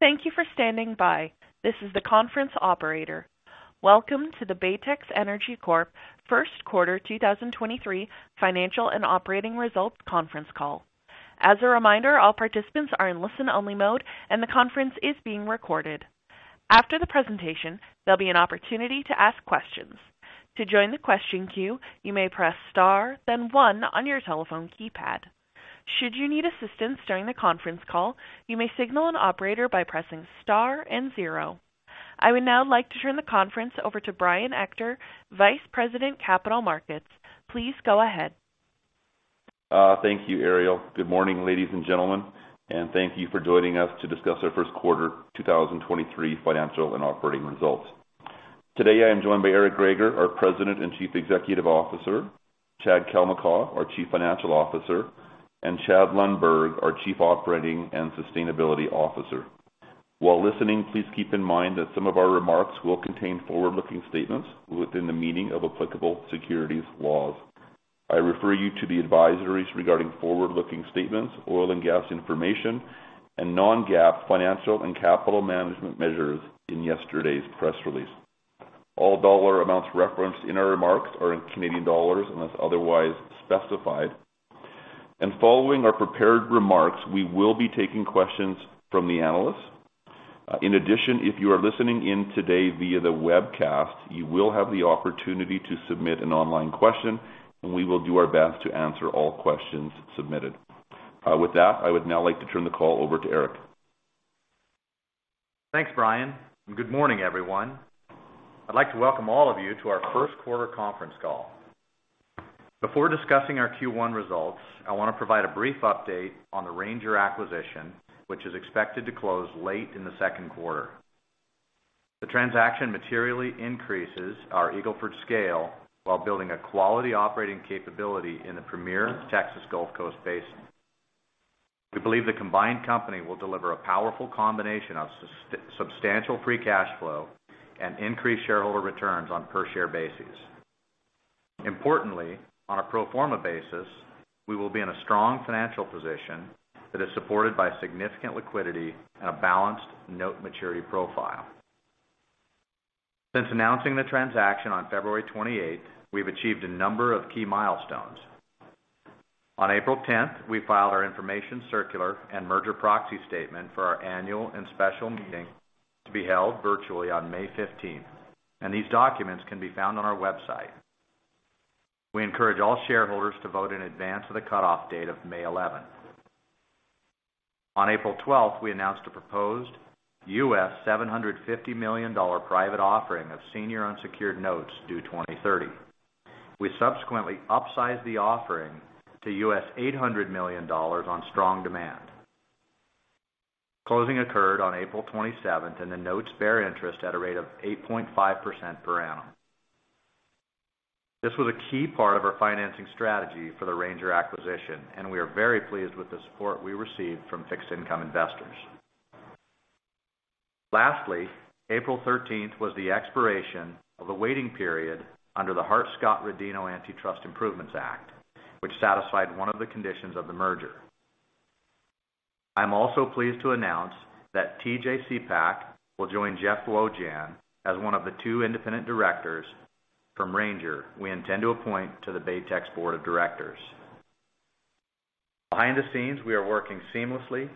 Thank you for standing by. This is the conference operator. Welcome to the Baytex Energy Corp First Quarter 2023 Financial and Operating Results Conference Call. As a reminder, all participants are in listen-only mode, and the conference is being recorded. After the presentation, there'll be an opportunity to ask questions. To join the question queue, you may press star, then one on your telephone keypad. Should you need assistance during the conference call, you may signal an operator by pressing star and zero. I would now like to turn the conference over to Brian Ector, Vice President, Capital Markets. Please go ahead. Thank you, Ariel. Good morning, ladies and gentlemen, and thank you for joining us to discuss our first quarter 2023 financial and operating results. Today, I am joined by Eric Greager, our President and Chief Executive Officer; Chad Kalmakoff, our Chief Financial Officer; and Chad Lundberg, our Chief Operating and Sustainability Officer. While listening, please keep in mind that some of our remarks will contain forward-looking statements within the meaning of applicable securities laws. I refer you to the advisories regarding forward-looking statements, oil and gas information, and non-GAAP financial and capital management measures in yesterday's press release. All dollar amounts referenced in our remarks are in Canadian dollars, unless otherwise specified. Following our prepared remarks, we will be taking questions from the analysts. In addition, if you are listening in today via the webcast, you will have the opportunity to submit an online question, and we will do our best to answer all questions submitted. With that, I would now like to turn the call over to Eric. Thanks, Brian. Good morning, everyone. I'd like to welcome all of you to our first quarter conference call. Before discussing our Q1 results, I wanna provide a brief update on the Ranger acquisition, which is expected to close late in the second quarter. The transaction materially increases our Eagle Ford scale while building a quality operating capability in the Premier Texas Gulf Coast Basin. We believe the combined company will deliver a powerful combination of substantial free cash flow and increase shareholder returns on a per-share basis. Importantly, on a pro forma basis, we will be in a strong financial position that is supported by significant liquidity and a balanced note maturity profile. Since announcing the transaction on February 28, we've achieved a number of key milestones. On April 10th, we filed our information circular and merger proxy statement for our annual and special meeting to be held virtually on May 15th. These documents can be found on our website. We encourage all shareholders to vote in advance of the cutoff date of May 11th. On April 12th, we announced a proposed $750 million private offering of senior unsecured notes due 2030. We subsequently upsized the offering to $800 million on strong demand. Closing occurred on April 27th. The notes bear interest at a rate of 8.5% per annum. This was a key part of our financing strategy for the Ranger acquisition. We are very pleased with the support we received from fixed income investors. April 13th was the expiration of the waiting period under the Hart-Scott-Rodino Antitrust Improvements Act, which satisfied one of the conditions of the merger. I'm also pleased to announce that T.J. Cepak will join Jeff Wojahn as one of the two independent directors from Ranger we intend to appoint to the Baytex board of directors. Behind the scenes, we are working seamlessly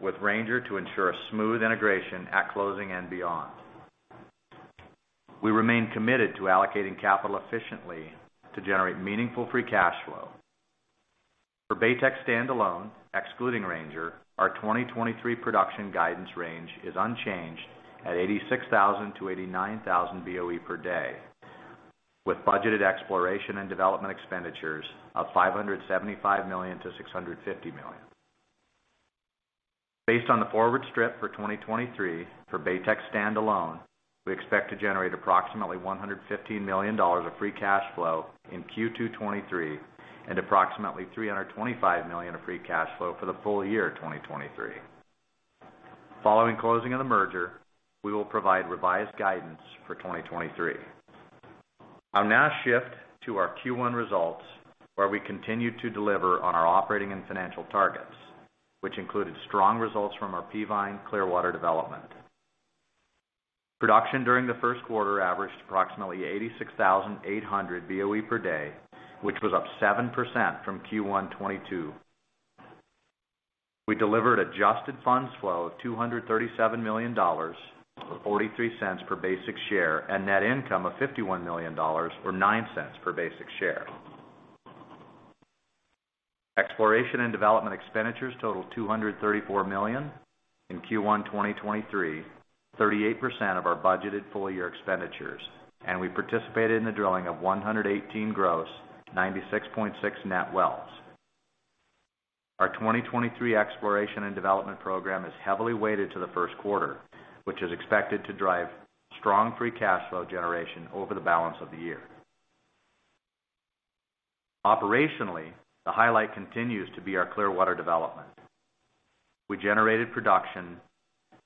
with Ranger to ensure a smooth integration at closing and beyond. We remain committed to allocating capital efficiently to generate meaningful free cash flow. Baytex standalone, excluding Ranger, our 2023 production guidance range is unchanged at 86,000 BOE-89,000 BOE per day, with budgeted exploration and development expenditures of 575 million-650 million. Based on the forward strip for 2023 for Baytex standalone, we expect to generate approximately 115 million dollars of free cash flow in Q2 2023 and approximately 325 million of free cash flow for the full year 2023. Following closing of the merger, we will provide revised guidance for 2023. I'll now shift to our Q1 results, where we continued to deliver on our operating and financial targets, which included strong results from our Peavine Clearwater development. Production during the first quarter averaged approximately 86,800 BOE per day, which was up 7% from Q1 2022. We delivered adjusted funds flow of 237 million dollars, or 0.43 per basic share, and net income of 51 million dollars or 0.09 per basic share. Exploration and development expenditures totaled 234 million in Q1 2023, 38% of our budgeted full-year expenditures. We participated in the drilling of 118 gross, 96.6 net wells. Our 2023 exploration and development program is heavily weighted to the first quarter, which is expected to drive strong free cash flow generation over the balance of the year. Operationally, the highlight continues to be our Clearwater development. We generated production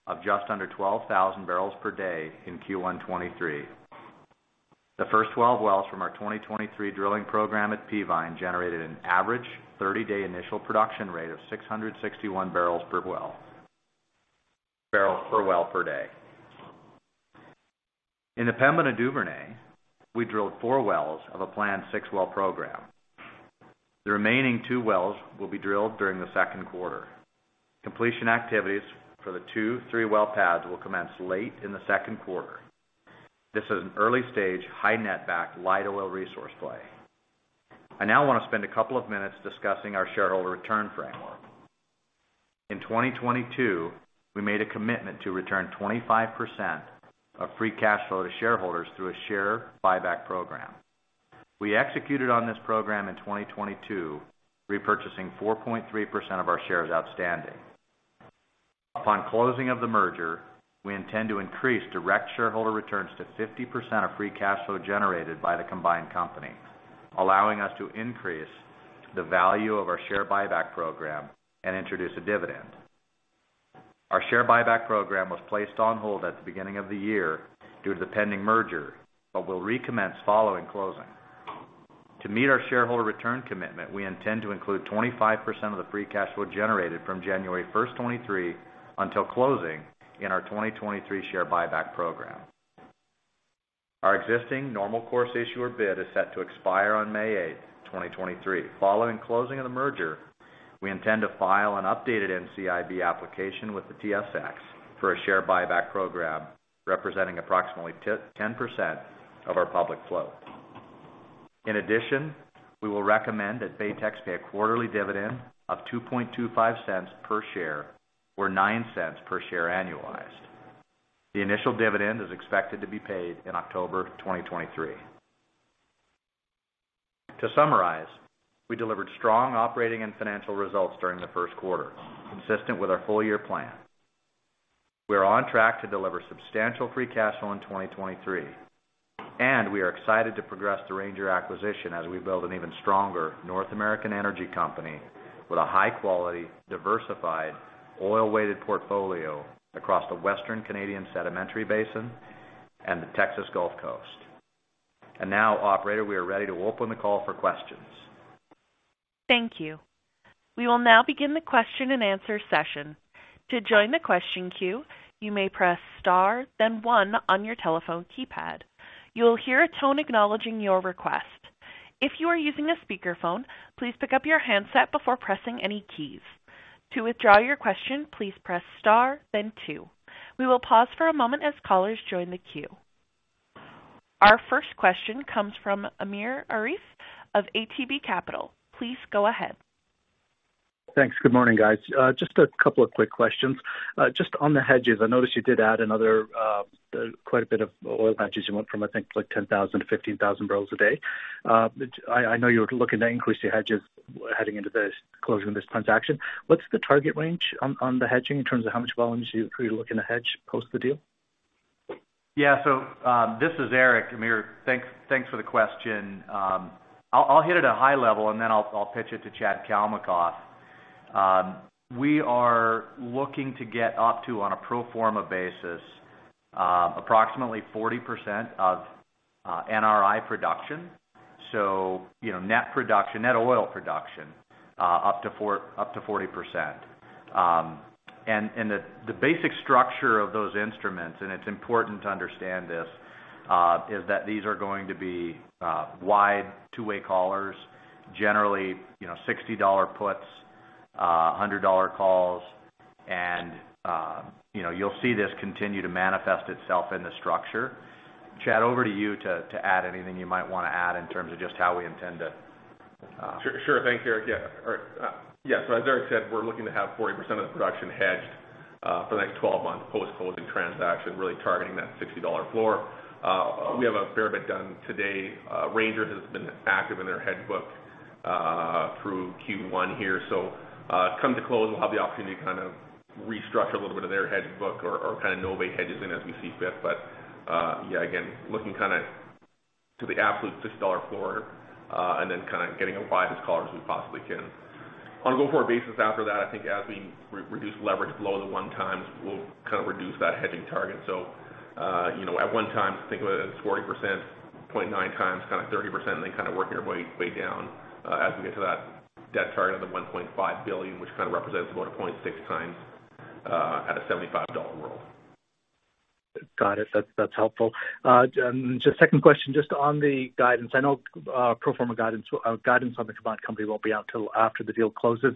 of just under 12,000 barrels per day in Q1 2023. The first 12 wells from our 2023 drilling program at Peavine generated an average 30-day initial production rate of 661 barrels per well per day. In the Pembina Duvernay, we drilled four wells of a planned six-well program. The remaining two wells will be drilled during the second quarter. Completion activities for the two three-well pads will commence late in the second quarter. This is an early stage, high net back, light oil resource play. I now wanna spend a couple of minutes discussing our shareholder return framework. In 2022, we made a commitment to return 25% of free cash flow to shareholders through a share buyback program. We executed on this program in 2022, repurchasing 4.3% of our shares outstanding. Upon closing of the merger, we intend to increase direct shareholder returns to 50% of free cash flow generated by the combined company, allowing us to increase the value of our share buyback program and introduce a dividend. Our share buyback program was placed on hold at the beginning of the year due to the pending merger, but will recommence following closing. To meet our shareholder return commitment, we intend to include 25% of the free cash flow generated from January 1, 2023 until closing in our 2023 share buyback program. Our existing normal course issuer bid is set to expire on May 8, 2023. Following closing of the merger, we intend to file an updated NCIB application with the TSX for a share buyback program, representing approximately 10% of our public flow. In addition, we will recommend that Baytex pay a quarterly dividend of $0.0225 per share or $0.09 per share annualized. The initial dividend is expected to be paid in October 2023. To summarize, we delivered strong operating and financial results during the first quarter, consistent with our full-year plan. We are on track to deliver substantial free cash flow in 2023, and we are excited to progress the Ranger acquisition as we build an even stronger North American energy company with a high-quality, diversified, oil-weighted portfolio across the Western Canadian Sedimentary Basin and the Texas Gulf Coast. Now, operator, we are ready to open the call for questions. Thank you. We will now begin the question-and-answer session. To join the question queue, you may press star then one on your telephone keypad. You will hear a tone acknowledging your request. If you are using a speakerphone, please pick up your handset before pressing any keys. To withdraw your question, please press star then two. We will pause for a moment as callers join the queue. Our first question comes from Amir Arif of ATB Capital. Please go ahead. Thanks. Good morning, guys. Just a couple of quick questions. Just on the hedges, I noticed you did add another, quite a bit of oil hedges. You went from, I think, like, 10,000 to 15,000 barrels a day. I know you're looking to increase your hedges heading into closing this transaction. What's the target range on the hedging in terms of how much volumes you're looking to hedge post the deal? Yeah. This is Eric. Amir, thanks for the question. I'll hit it at a high level, and then I'll pitch it to Chad Kalmakoff. We are looking to get up to, on a pro forma basis, approximately 40% of NRI production. You know, net production, net oil production, up to 40%. And the basic structure of those instruments, and it's important to understand this, is that these are going to be wide two-way callers, generally, you know, $60 puts, $100 calls. You know, you'll see this continue to manifest itself in the structure. Chad, over to you to add anything you might want to add in terms of just how we intend to. Sure. Thanks, Eric. As Eric said, we're looking to have 40% of the production hedged for the next 12 months post-closing transaction, really targeting that $60 floor. We have a fair bit done today. Ranger has been active in their hedge book through Q1 here. Come to close, we'll have the opportunity to kind of restructure a little bit of their hedge book or kind of move hedges in as we see fit. Again, looking kind of to the absolute $60 floor, kind of getting as wide as callers we possibly can. On a go-forward basis after that, I think as we reduce leverage below the 1x, we'll kind of reduce that hedging target. You know, at one time, think of it as 40%, 0.9x, kind of 30%, and then kind of working our way down, as we get to that debt target of $1.5 billion, which kind of represents about a 0.6x, at a $75 roll. Got it. That's, that's helpful. Just second question, just on the guidance. I know, pro forma guidance on the combined company won't be out till after the deal closes.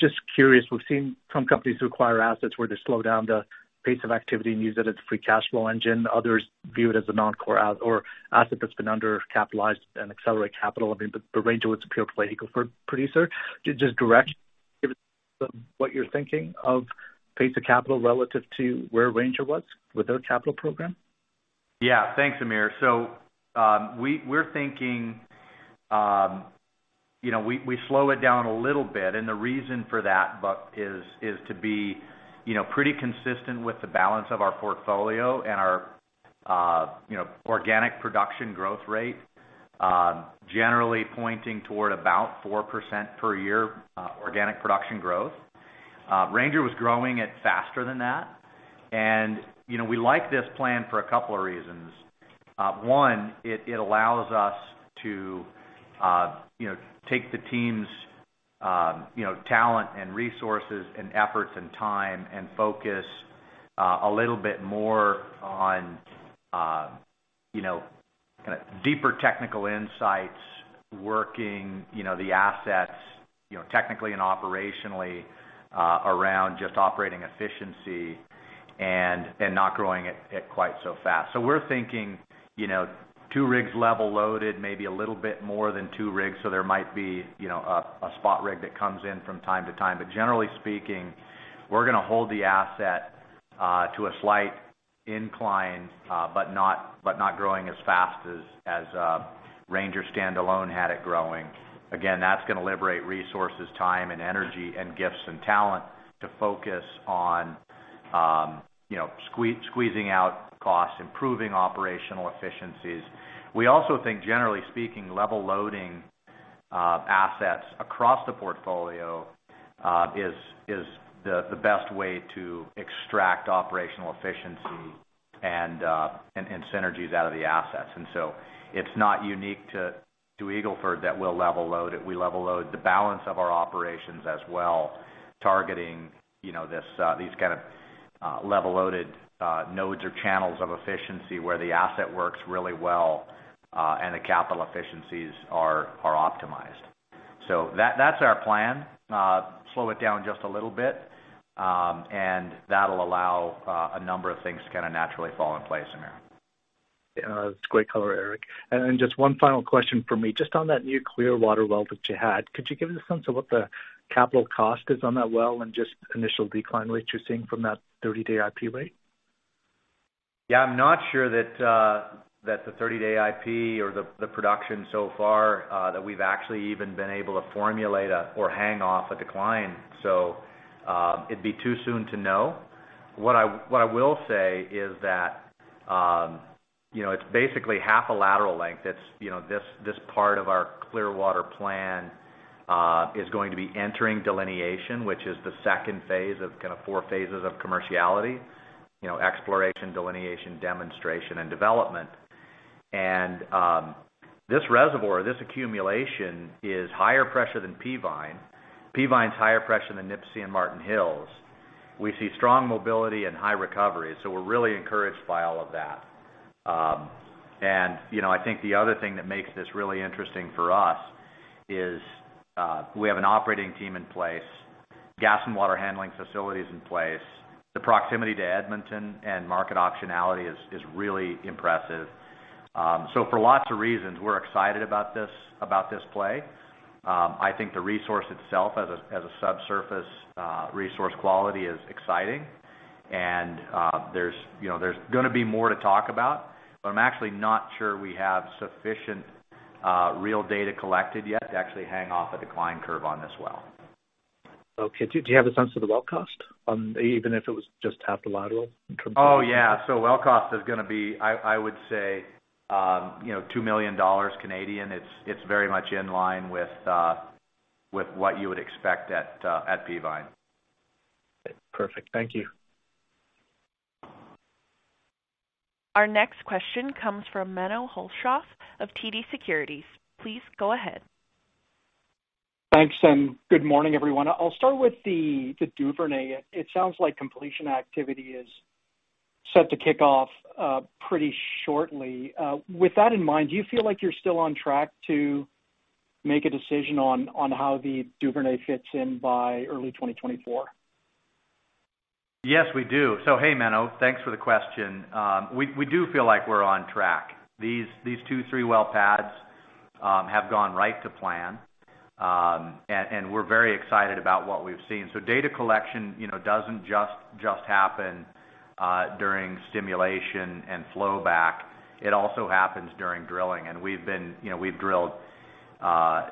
Just curious, we've seen some companies acquire assets where they slow down the pace of activity and use it as a free cash flow engine. Others view it as a non-core or asset that's been undercapitalized and accelerate capital. I mean, but Ranger was a pure play producer. Just direction of what you're thinking of pace of capital relative to where Ranger was with their capital program. Yeah. Thanks, Amir. We're thinking, you know, we slow it down a little bit. The reason for that is to be, you know, pretty consistent with the balance of our portfolio and our, you know, organic production growth rate, generally pointing toward about 4% per year organic production growth. Ranger was growing it faster than that. You know, we like this plan for a couple of reasons. One, it allows us to, you know, take the team's, you know, talent and resources and efforts and time and focus a little bit more on, you know, kinda deeper technical insights, working, you know, the assets, you know, technically and operationally around just operating efficiency and not growing it quite so fast. We're thinking, you know, two rigs level loaded, maybe a little bit more than two rigs. There might be, you know, a spot rig that comes in from time to time. Generally speaking, we're gonna hold the asset to a slight incline, but not growing as fast as Ranger standalone had it growing. That's gonna liberate resources, time and energy and gifts and talent to focus on, you know, squeezing out costs, improving operational efficiencies. We also think, generally speaking, level loading assets across the portfolio is the best way to extract operational efficiency and synergies out of the assets. It's not unique to Eagle Ford that we'll level load it. We level load the balance of our operations as well, targeting, you know, this, these kind of, level loaded, nodes or channels of efficiency where the asset works really well, and the capital efficiencies are optimized. That, that's our plan. Slow it down just a little bit, and that'll allow a number of things to kinda naturally fall in place in there. That's great color, Eric. Just one final question from me. Just on that new Clearwater well that you had, could you give us a sense of what the capital cost is on that well and just initial decline rates you're seeing from that 30-day IP rate? Yeah, I'm not sure that the 30-day IP or the production so far, that we've actually even been able to formulate a or hang off a decline. It'd be too soon to know. What I will say is that, you know, it's basically half a lateral length. It's, you know, this part of our Clearwater plan is going to be entering delineation, which is the second phase of kind of four phases of commerciality, you know, exploration, delineation, demonstration and development. This reservoir, this accumulation is higher pressure than Peavine. Peavine is higher pressure than Nipisi and Marten Hills. We see strong mobility and high recovery. We're really encouraged by all of that. You know, I think the other thing that makes this really interesting for us is we have an operating team in place, gas and water handling facilities in place. The proximity to Edmonton and market optionality is really impressive. For lots of reasons, we're excited about this play. I think the resource itself as a, as a subsurface resource quality is exciting. There's, you know, there's gonna be more to talk about, but I'm actually not sure we have sufficient real data collected yet to actually hang off a decline curve on this well. Okay. Do you have a sense of the well cost, even if it was just half the lateral? Oh, yeah. Well cost is gonna be, I would say, you know, 2 million Canadian dollars. It's very much in line with what you would expect at Peavine. Perfect. Thank you. Our next question comes from Menno Hulshof of TD Securities. Please go ahead. Thanks. Good morning, everyone. I'll start with the Duvernay. It sounds like completion activity is set to kick off pretty shortly. With that in mind, do you feel like you're still on track to make a decision on how the Duvernay fits in by early 2024? Yes, we do. Hey, Menno. Thanks for the question. We do feel like we're on track. These two three-well pads have gone right to plan. And we're very excited about what we've seen. Data collection, you know, doesn't just happen during stimulation and flowback. It also happens during drilling. We've been, you know, we've drilled,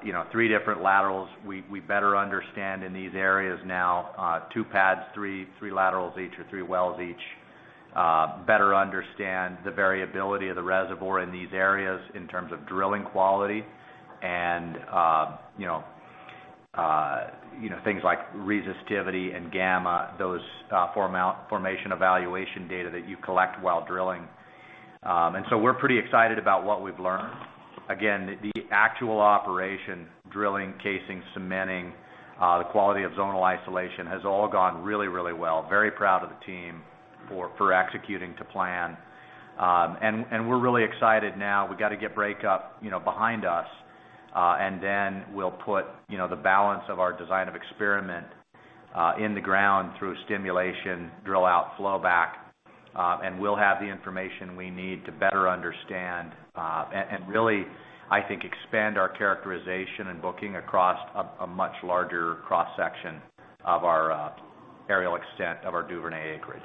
you know, three different laterals. We better understand in these areas now, two pads, three laterals each or three wells each, better understand the variability of the reservoir in these areas in terms of drilling quality and, you know, things like resistivity and gamma, those formation evaluation data that you collect while drilling. We're pretty excited about what we've learned. The actual operation, drilling, casing, cementing, the quality of zonal isolation has all gone really, really well. Very proud of the team for executing to plan. We're really excited now. We've got to get breakup, you know, behind us, and then we'll put, you know, the balance of our design of experiment in the ground through stimulation, drill out, flowback, and we'll have the information we need to better understand, and really, I think, expand our characterization and booking across a much larger cross-section of our aerial extent of our Duvernay acreage.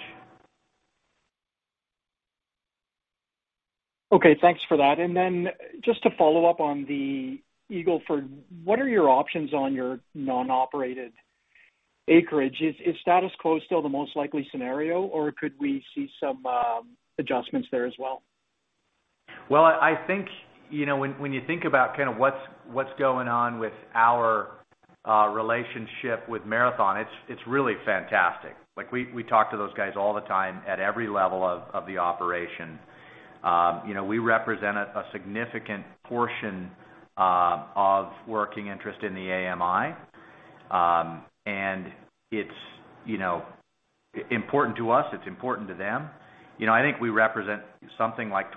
Okay. Thanks for that. Just to follow up on the Eagle Ford, what are your options on your non-operated acreage? Is status quo still the most likely scenario, or could we see some adjustments there as well? I think, you know, when you think about kinda what's going on with our relationship with Marathon, it's really fantastic. We talk to those guys all the time at every level of the operation. You know, we represent a significant portion of working interest in the AMI, and it's, you know, important to us, it's important to them. You know, I think we represent something like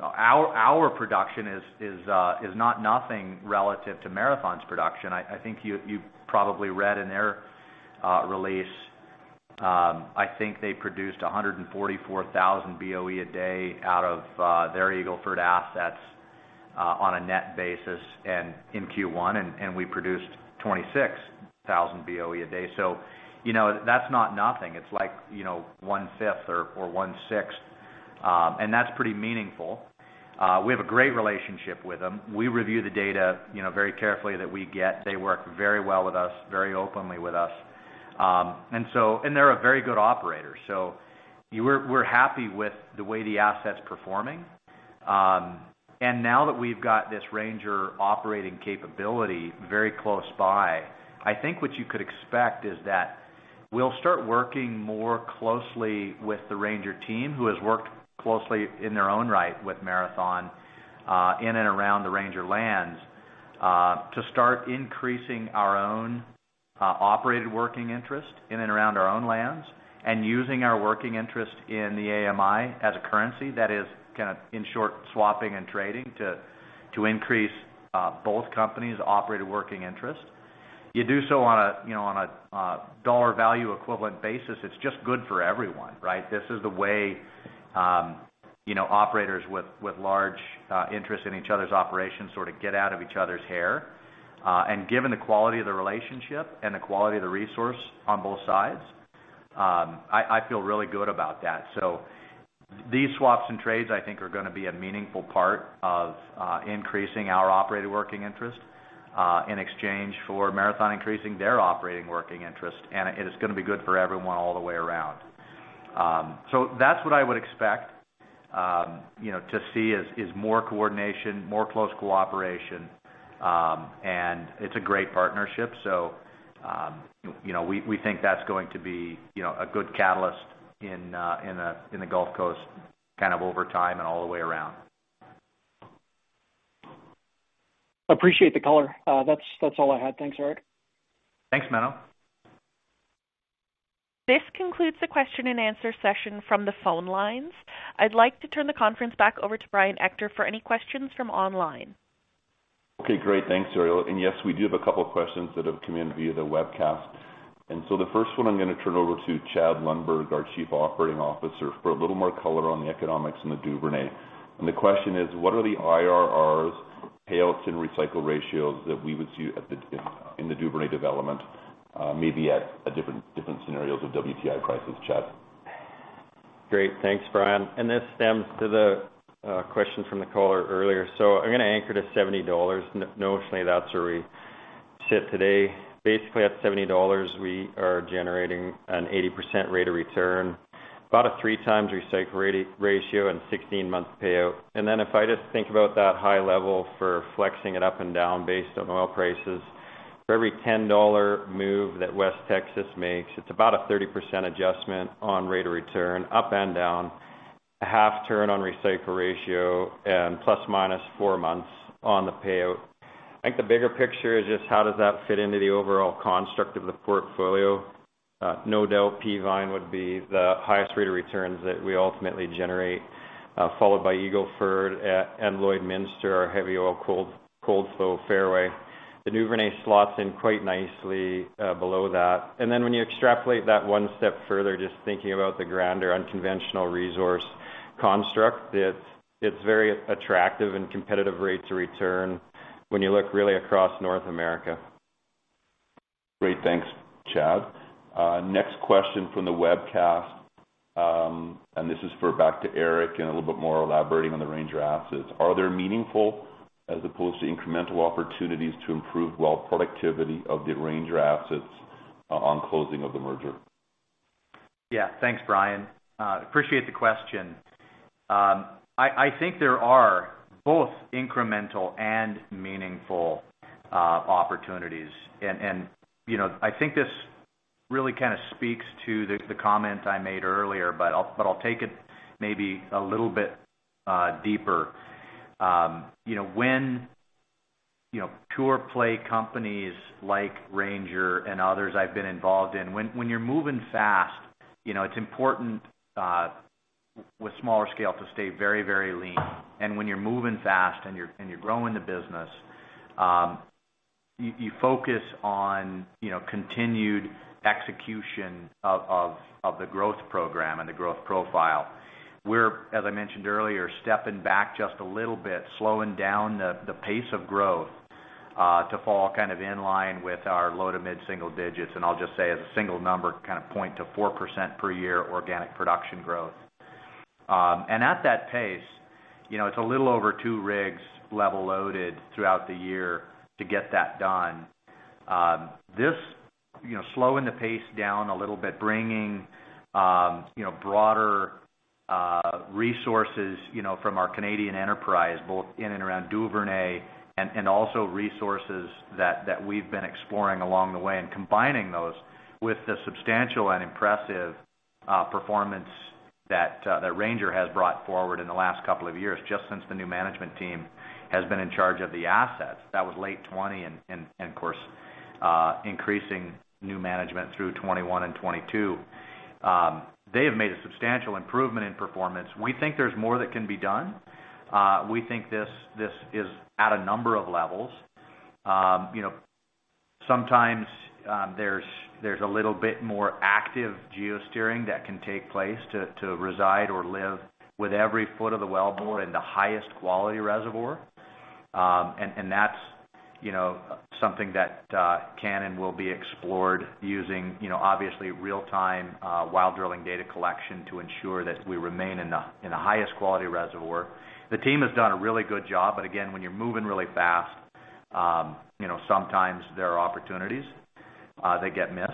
Our production is not nothing relative to Marathon's production. I think you probably read in their release, I think they produced 144,000 BOE a day out of their Eagle Ford assets on a net basis in Q1, and we produced 26,000 BOE a day. You know, that's not nothing. It's like, you know, 1/5 or 1/6. That's pretty meaningful. We have a great relationship with them. We review the data, you know, very carefully that we get. They work very well with us, very openly with us. They're a very good operator. We're happy with the way the asset's performing. Now that we've got this Ranger operating capability very close by, I think what you could expect is that we'll start working more closely with the Ranger team, who has worked closely in their own right with Marathon, in and around the Ranger lands, to start increasing our own operated working interest in and around our own lands and using our working interest in the AMI as a currency that is kind of in short swapping and trading to increase both companies' operated working interest. You do so on a, you know, on a dollar value equivalent basis. It's just good for everyone, right? This is the way, you know, operators with large interest in each other's operations sort of get out of each other's hair. Given the quality of the relationship and the quality of the resource on both sides, I feel really good about that. These swaps and trades, I think, are gonna be a meaningful part of increasing our operated working interest in exchange for Marathon increasing their operating working interest, and it is gonna be good for everyone all the way around. That's what I would expect, you know, to see is more coordination, more close cooperation, and it's a great partnership. You know, we think that's going to be, you know, a good catalyst in in the Gulf Coast kind of over time and all the way around. Appreciate the color. That's all I had. Thanks, Eric. Thanks, Menno. This concludes the question and answer session from the phone lines. I'd like to turn the conference back over to Brian Ector for any questions from online. Okay, great. Thanks, Ariel. Yes, we do have a couple questions that have come in via the webcast. The first one I'm gonna turn over to Chad Lundberg, our Chief Operating Officer, for a little more color on the economics in the Duvernay. The question is: What are the IRRs, payouts, and recycle ratios that we would see at the in the Duvernay development, maybe at different scenarios of WTI prices? Chad? Great. Thanks, Brian. This stems to the question from the caller earlier. I'm gonna anchor to $70. Notionally, that's where we sit today. Basically, at $70, we are generating an 80% rate of return, about a 3x recycle rate-ratio and 16-month payout. If I just think about that high level for flexing it up and down based on oil prices, for every $10 move that West Texas makes, it's about a 30% adjustment on rate of return, up and down, a half turn on recycle ratio and plus/minus four months on the payout. I think the bigger picture is just how does that fit into the overall construct of the portfolio? No doubt, Peavine would be the highest rate of returns that we ultimately generate, followed by Eagle Ford and Lloydminster, our heavy oil cold flow fairway. The Duvernay slots in quite nicely below that. Then when you extrapolate that one step further, just thinking about the grander unconventional resource construct, it's very attractive and competitive rates of return when you look really across North America. Great. Thanks, Chad. Next question from the webcast, this is for back to Eric and a little bit more elaborating on the Ranger assets. Are there meaningful as opposed to incremental opportunities to improve well productivity of the Ranger assets on closing of the merger? Thanks, Brian. Appreciate the question. I think there are both incremental and meaningful opportunities. You know, I think this really kind of speaks to the comment I made earlier, but I'll take it maybe a little bit deeper. You know, when, you know, pure play companies like Ranger and others I've been involved in, when you're moving fast, you know, it's important with smaller scale to stay very, very lean. When you're moving fast and you're growing the business, you focus on, you know, continued execution of the growth program and the growth profile. We're, as I mentioned earlier, stepping back just a little bit, slowing down the pace of growth to fall kind of in line with our low to mid-single digits. I'll just say as a single number, kind of point to 4% per year organic production growth. At that pace, you know, it's a little over two rigs level loaded throughout the year to get that done. You know, slowing the pace down a little bit, bringing, you know, broader resources, you know, from our Canadian enterprise, both in and around Duvernay and also resources that we've been exploring along the way, and combining those with the substantial and impressive performance that Ranger has brought forward in the last couple of years, just since the new management team has been in charge of the assets. That was late 2020 and, of course, increasing new management through 2021 and 2022. They have made a substantial improvement in performance. We think there's more that can be done. We think this is at a number of levels. You know, sometimes there's a little bit more active geosteering that can take place to reside or live with every foot of the wellbore in the highest quality reservoir. That's, you know, something that can and will be explored using, you know, obviously real-time while drilling data collection to ensure that we remain in the highest quality reservoir. The team has done a really good job, but again, when you're moving really fast, you know, sometimes there are opportunities that get missed.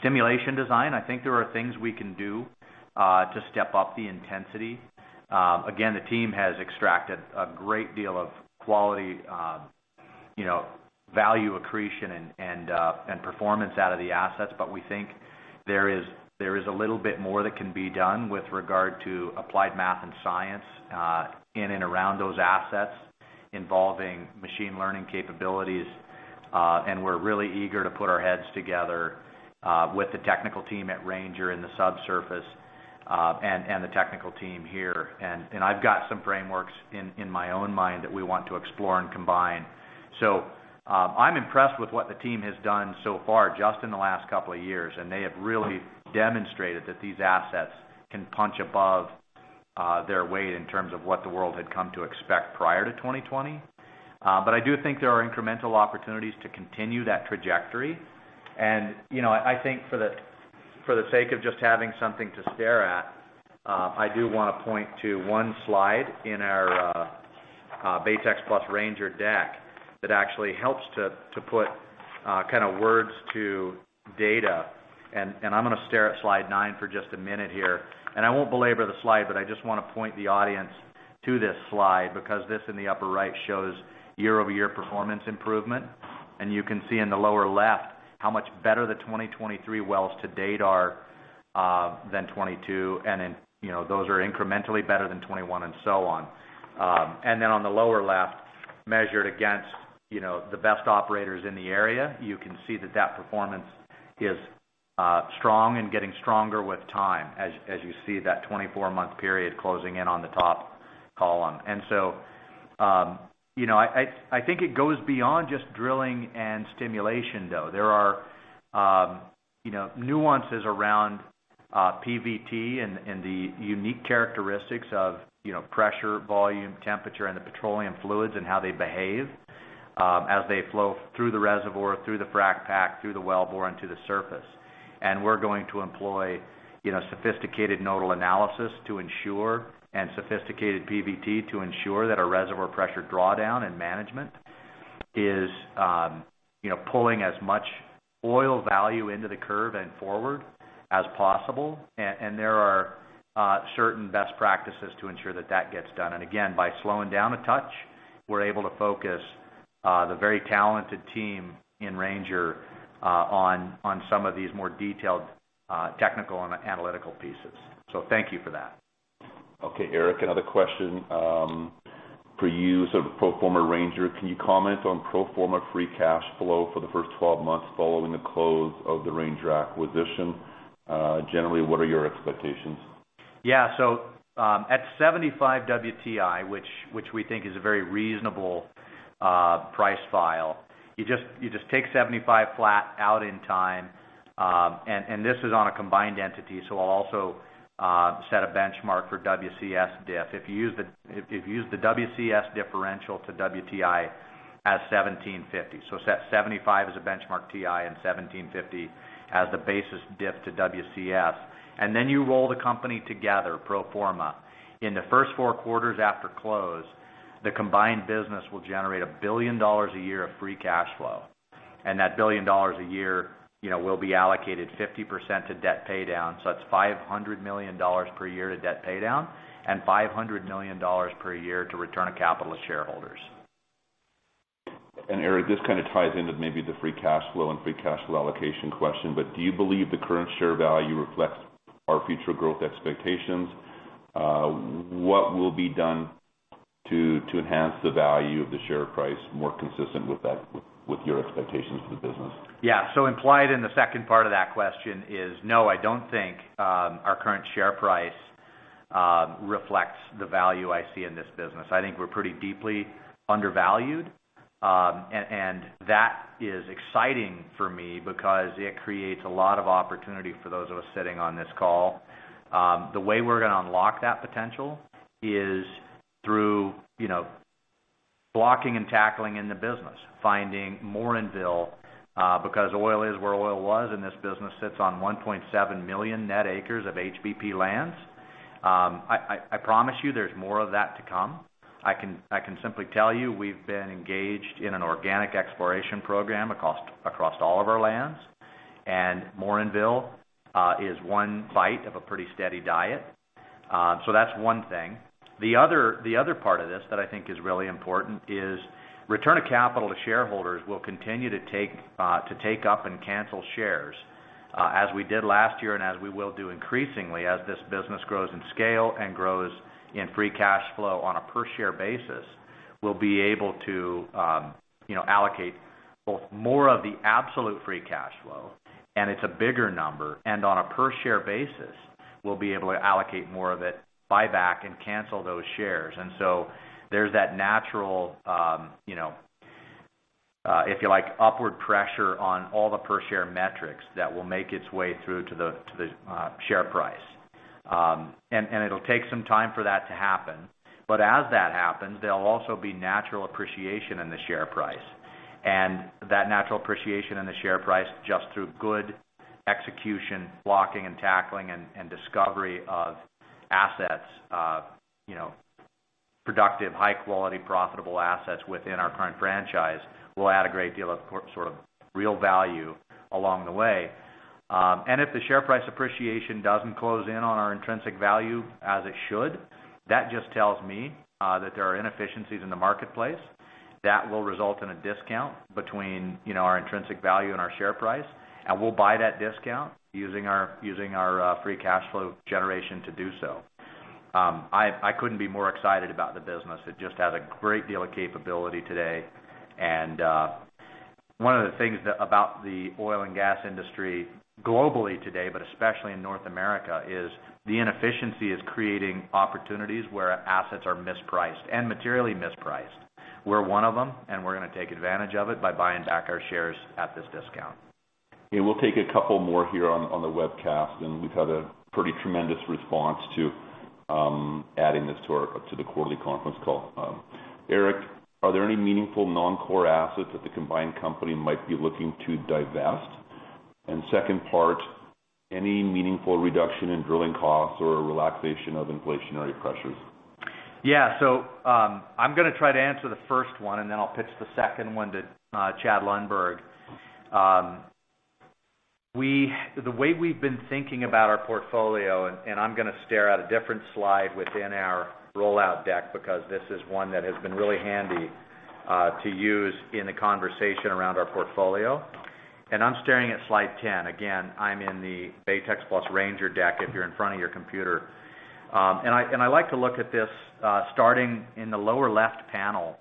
Stimulation design, I think there are things we can do to step up the intensity. Again, the team has extracted a great deal of quality, you know, value accretion and performance out of the assets, but we think there is, there is a little bit more that can be done with regard to applied math and science in and around those assets involving machine learning capabilities. We're really eager to put our heads together with the technical team at Ranger in the subsurface, and the technical team here. I've got some frameworks in my own mind that we want to explore and combine. I'm impressed with what the team has done so far, just in the last couple of years, and they have really demonstrated that these assets can punch above their weight in terms of what the world had come to expect prior to 2020. I do think there are incremental opportunities to continue that trajectory. You know, I think for the sake of just having something to stare at, I do wanna point to one slide in our Baytex plus Ranger deck that actually helps to put kind of words to data. I'm gonna stare at slide nine for just a minute here. I won't belabor the slide, but I just wanna point the audience to this slide because this in the upper right shows year-over-year performance improvement. You can see in the lower left, how much better the 2023 wells to date are than 2022. You know, those are incrementally better than 2021 and so on. On the lower left, measured against, you know, the best operators in the area, you can see that that performance is strong and getting stronger with time, as you see that 24-month period closing in on the top column. I think it goes beyond just drilling and stimulation, though. There are, you know, nuances around PVT and the unique characteristics of, you know, pressure, volume, temperature, and the petroleum fluids and how they behave as they flow through the reservoir, through the frac pack, through the wellbore into the surface. We're going to employ, you know, sophisticated nodal analysis to ensure and sophisticated PVT to ensure that our reservoir pressure drawdown and management is, you know, pulling as much oil value into the curve and forward as possible. There are certain best practices to ensure that that gets done. Again, by slowing down a touch, we're able to focus the very talented team in Ranger on some of these more detailed, technical and analytical pieces. Thank you for that. Eric, another question for you. The pro forma Ranger. Can you comment on pro forma free cash flow for the first 12 months following the close of the Ranger acquisition? Generally, what are your expectations? Yeah. At 75 WTI, which we think is a very reasonable price file, you just take 75 flat out in time, this is on a combined entity, I'll also set a benchmark for WCS diff. If you use the WCS differential to WTI as 17.50. Set 75 as a benchmark WTI and 17.50 as the basis diff to WCS. You roll the company together pro forma. In the first four quarters after close, the combined business will generate $1 billion a year of free cash flow. That $1 billion a year, you know, will be allocated 50% to debt paydown. That's $500 million per year to debt paydown and $500 million per year to return to capitalist shareholders. Eric, this kind of ties into maybe the free cash flow and free cash flow allocation question. Do you believe the current share value reflects our future growth expectations? What will be done to enhance the value of the share price more consistent with that, with your expectations for the business? Implied in the second part of that question is, no, I don't think our current share price reflects the value I see in this business. I think we're pretty deeply undervalued. And that is exciting for me because it creates a lot of opportunity for those of us sitting on this call. The way we're gonna unlock that potential is through, you know, blocking and tackling in the business, finding more Mannville, because oil is where oil was, and this business sits on 1.7 million net acres of HBP lands. I promise you there's more of that to come. I can simply tell you we've been engaged in an organic exploration program across all of our lands, and Morinville is one bite of a pretty steady diet. That's one thing. The other part of this that I think is really important is return of capital to shareholders will continue to take up and cancel shares, as we did last year and as we will do increasingly as this business grows in scale and grows in free cash flow on a per share basis. We'll be able to, you know, allocate both more of the absolute free cash flow, and it's a bigger number, and on a per share basis, we'll be able to allocate more of it, buy back and cancel those shares. There's that natural, you know, if you like, upward pressure on all the per share metrics that will make its way through to the share price. It'll take some time for that to happen. As that happens, there'll also be natural appreciation in the share price. That natural appreciation in the share price just through good execution, blocking and tackling and discovery of assets, you know, productive, high quality, profitable assets within our current franchise will add a great deal of sort of real value along the way. If the share price appreciation doesn't close in on our intrinsic value as it should, that just tells me, that there are inefficiencies in the marketplace that will result in a discount between, you know, our intrinsic value and our share price, and we'll buy that discount using our, using our free cash flow generation to do so. I couldn't be more excited about the business. It just has a great deal of capability today. One of the things about the oil and gas industry globally today, but especially in North America, is the inefficiency is creating opportunities where assets are mispriced, and materially mispriced. We're one of them, and we're gonna take advantage of it by buying back our shares at this discount. Yeah, we'll take a couple more here on the webcast, and we've had a pretty tremendous response to, adding this to the quarterly conference call. Eric, are there any meaningful non-core assets that the combined company might be looking to divest? Second part, any meaningful reduction in drilling costs or relaxation of inflationary pressures? Yeah. I'm going to try to answer the first one, and then I'll pitch the second one to Chad Lundberg. The way we've been thinking about our portfolio, and I'm going to stare at a different slide within our rollout deck because this is one that has been really handy to use in the conversation around our portfolio. I'm staring at slide 10. Again, I'm in the Baytex plus Ranger deck if you're in front of your computer. I like to look at this, starting in the lower left panel,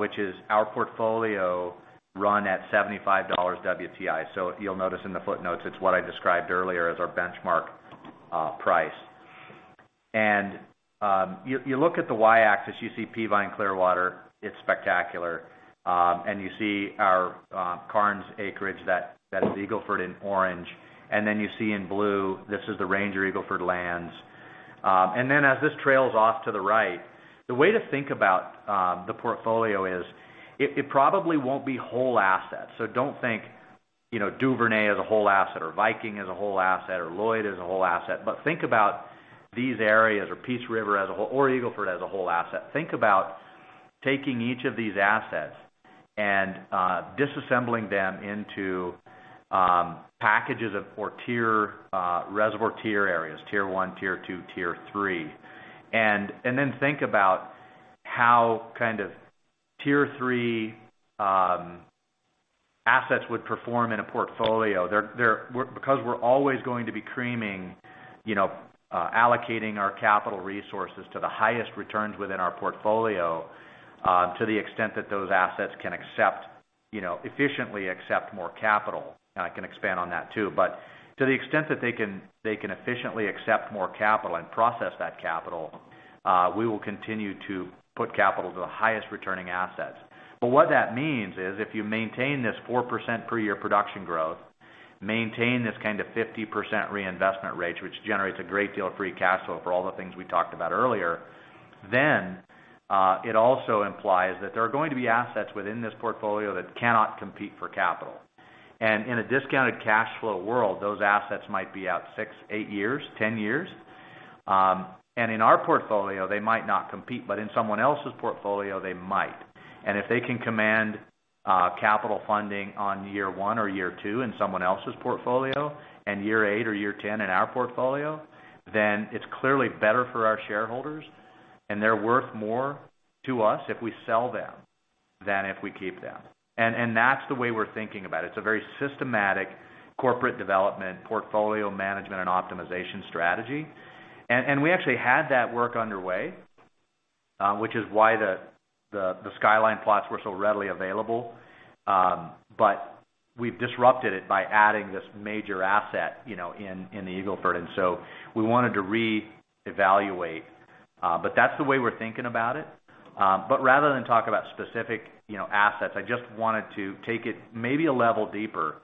which is our portfolio run at $75 WTI. You'll notice in the footnotes, it's what I described earlier as our benchmark price. You look at the Y-axis, you see Peavine Clearwater, it's spectacular. You see our Karnes acreage that is Eagle Ford in orange. Then you see in blue, this is the Ranger Eagle Ford lands. Then as this trails off to the right, the way to think about the portfolio is it probably won't be whole assets. Don't think, you know, Duvernay as a whole asset, or Viking as a whole asset, or Lloyd as a whole asset. Think about these areas or Peace River as a whole, or Eagle Ford as a whole asset. Think about taking each of these assets and disassembling them into packages of poor tier, reservoir tier areas, tier one, tier two, tier three. Then think about how kind of tier three assets would perform in a portfolio. Because we're always going to be creaming, you know, allocating our capital resources to the highest returns within our portfolio, to the extent that those assets can accept, you know, efficiently accept more capital. I can expand on that too. To the extent that they can efficiently accept more capital and process that capital, we will continue to put capital to the highest returning assets. What that means is if you maintain this 4% per year production growth, maintain this kind of 50% reinvestment rate, which generates a great deal of free cash flow for all the things we talked about earlier, it also implies that there are going to be assets within this portfolio that cannot compete for capital. In a discounted cash flow world, those assets might be out six, eight years, 10 years. In our portfolio, they might not compete, but in someone else's portfolio, they might. If they can command capital funding on year one or year two in someone else's portfolio and year eight or year 10 in our portfolio, then it's clearly better for our shareholders, and they're worth more to us if we sell them than if we keep them. That's the way we're thinking about it. It's a very systematic corporate development, portfolio management, and optimization strategy. We actually had that work underway, which is why the skyline plots were so readily available. But we've disrupted it by adding this major asset, you know, in the Eagle Ford. We wanted to reevaluate, but that's the way we're thinking about it. Rather than talk about specific, you know, assets, I just wanted to take it maybe a level deeper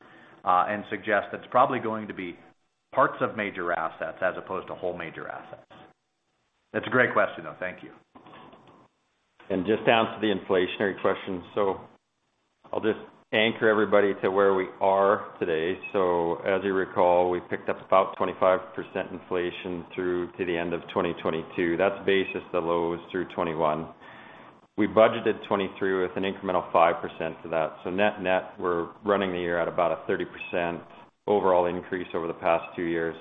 and suggest that it's probably going to be parts of major assets as opposed to whole major assets. That's a great question, though. Thank you. Just down to the inflationary question. I'll just anchor everybody to where we are today. As you recall, we picked up about 25% inflation through to the end of 2022. That's basis the lows through 2021. We budgeted 2023 with an incremental 5% to that. Net net, we're running the year at about a 30% overall increase over the past two years.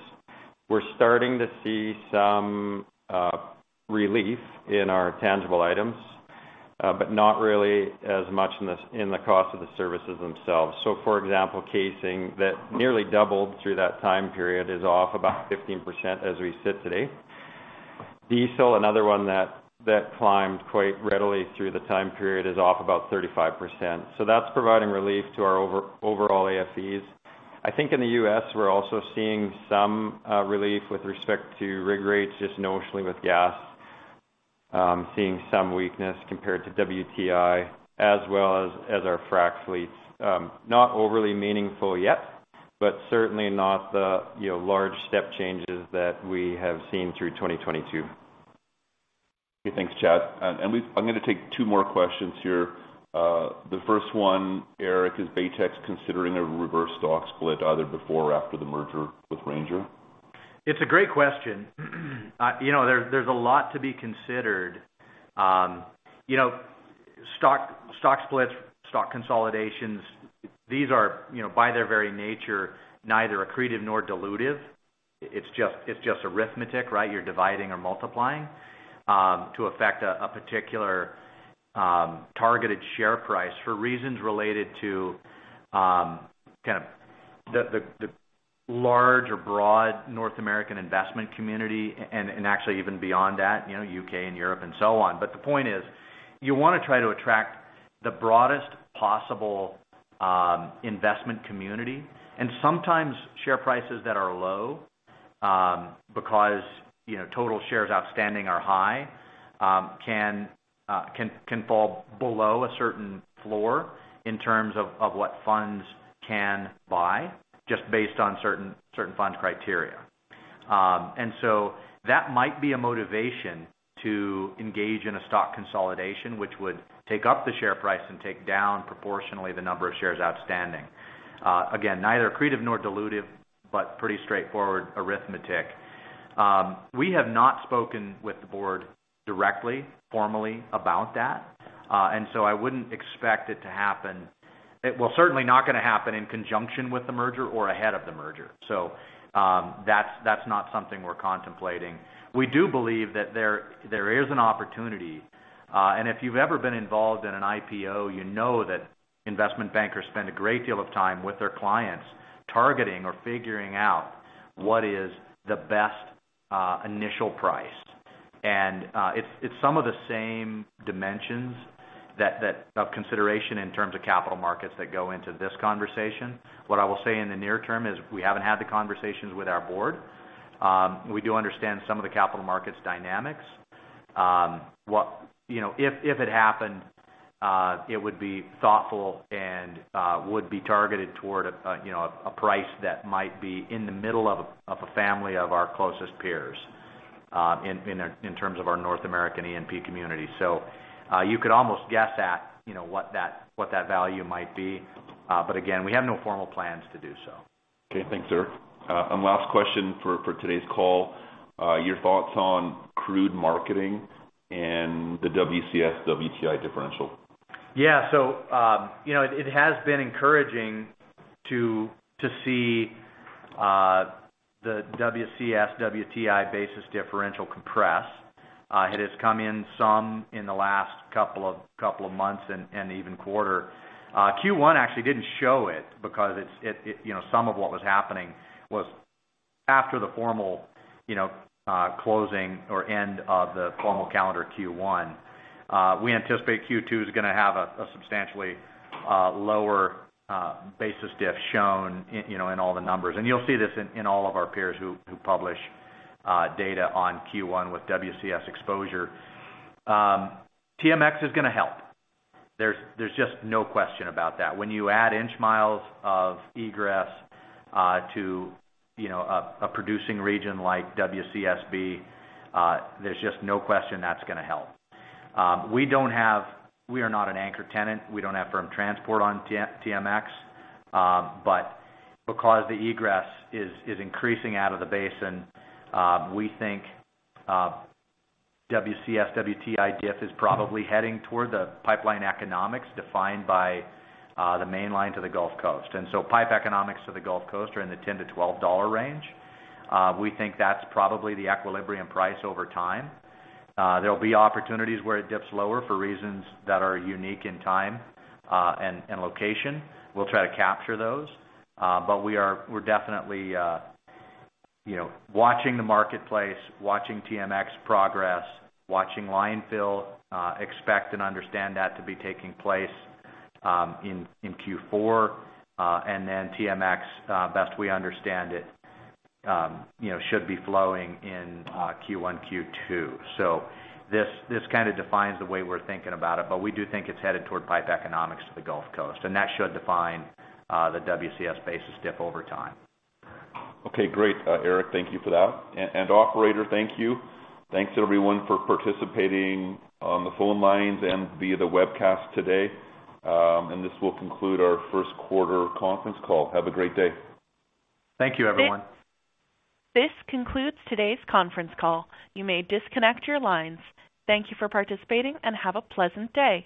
We're starting to see some relief in our tangible items, not really as much in the cost of the services themselves. For example, casing that nearly doubled through that time period is off about 15% as we sit today. Diesel, another one that climbed quite readily through the time period is off about 35%. That's providing relief to our overall AFEs. I think in the U.S. we're also seeing some relief with respect to rig rates, just notionally with gas, seeing some weakness compared to WTI, as well as our frack fleets. Not overly meaningful yet, certainly not the, you know, large step changes that we have seen through 2022. Okay. Thanks, Chad. I'm gonna take two more questions here. The first one, Eric, is Baytex considering a reverse stock split either before or after the merger with Ranger? It's a great question. You know, there's a lot to be considered. You know, stock splits, stock consolidations, these are, you know, by their very nature, neither accretive nor dilutive. It's just arithmetic, right? You're dividing or multiplying to affect a particular targeted share price for reasons related to kind of the large or broad North American investment community and actually even beyond that, you know, U.K. and Europe and so on. The point is, you wanna try to attract the broadest possible investment community. Sometimes share prices that are low because, you know, total shares outstanding are high, can fall below a certain floor in terms of what funds can buy just based on certain funds criteria. That might be a motivation to engage in a stock consolidation, which would take up the share price and take down proportionally the number of shares outstanding. Again, neither accretive nor dilutive, but pretty straightforward arithmetic. We have not spoken with the board directly formally about that. I wouldn't expect it to happen. Certainly not gonna happen in conjunction with the merger or ahead of the merger. That's, that's not something we're contemplating. We do believe that there is an opportunity. If you've ever been involved in an IPO, you know that investment bankers spend a great deal of time with their clients targeting or figuring out what is the best initial price. It's some of the same dimensions of consideration in terms of capital markets that go into this conversation. What I will say in the near term is we haven't had the conversations with our board. We do understand some of the capital markets dynamics. You know, if it happened, it would be thoughtful and would be targeted toward a, you know, a price that might be in the middle of a family of our closest peers in terms of our North American E&P community. You could almost guess at, you know, what that value might be. But again, we have no formal plans to do so. Okay. Thanks, Eric. Last question for today's call. Your thoughts on crude marketing and the WCS-WTI differential? You know, it has been encouraging to see the WCS-WTI basis differential compress. It has come in some in the last couple of months and even quarter. Q1 actually didn't show it because You know, some of what was happening was after the formal, you know, closing or end of the formal calendar Q1. We anticipate Q2 is gonna have a substantially lower basis diff shown you know, in all the numbers. You'll see this in all of our peers who publish data on Q1 with WCS exposure. TMX is gonna help. There's just no question about that. When you add inch miles of egress to, you know, a producing region like WCSB, there's just no question that's gonna help. We are not an anchor tenant. We don't have firm transport on TMX. But because the egress is increasing out of the basin, we think WCS-WTI diff is probably heading toward the pipeline economics defined by the main line to the Gulf Coast. Pipe economics to the Gulf Coast are in the $10-$12 range. We think that's probably the equilibrium price over time. There'll be opportunities where it dips lower for reasons that are unique in time, and location. We'll try to capture those. But we're definitely, you know, watching the marketplace, watching TMX progress, watching line fill, expect and understand that to be taking place in Q4. TMX, best we understand it, you know, should be flowing in Q1, Q2. This kinda defines the way we're thinking about it, but we do think it's headed toward pipe economics to the Gulf Coast, and that should define the WCS basis diff over time. Okay. Great, Eric. Thank you for that. Operator, thank you. Thanks everyone for participating on the phone lines and via the webcast today. This will conclude our first quarter conference call. Have a great day. Thank you, everyone. This concludes today's conference call. You may disconnect your lines. Thank you for participating, and have a pleasant day.